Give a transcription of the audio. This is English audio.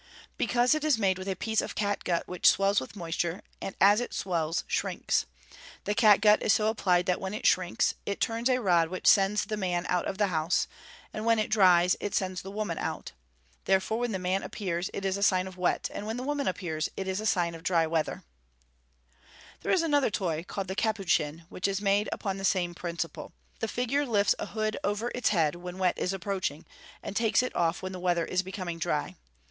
_ Because it is made with a piece of cat gut which swells with moisture, and as it swells, shrinks. The cat gut is so applied that when it shrinks, it turns a rod which sends the man out of the house, and when it dries it sends the woman out. Therefore, when the man appears, it is a sign of wet, and when the woman appears it is a sign of dry weather. There is another toy, called the Capuchin, which is made upon the same principle. The figure lifts a hood over its head when wet is approaching, and takes it off when the weather is becoming dry.